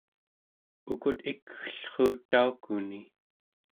ukut ikgellruut taukuni